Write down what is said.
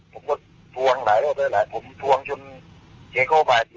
ผมก็ทวงหลายรอบด้วยหลายผมทวงจนเขียงเข้าไป